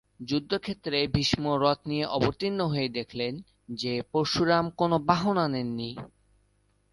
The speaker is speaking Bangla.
যুদ্ধক্ষেত্রে ভীষ্ম রথ নিয়ে অবতীর্ণ হয়ে দেখলেন যে পরশুরাম কোনো বাহন নেননি।